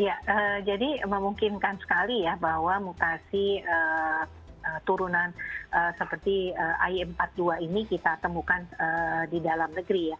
ya jadi memungkinkan sekali ya bahwa mutasi turunan seperti ay empat puluh dua ini kita temukan di dalam negeri ya